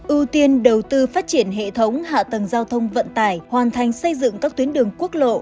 ưu tiên đầu tư phát triển hệ thống hạ tầng giao thông vận tải hoàn thành xây dựng các tuyến đường quốc lộ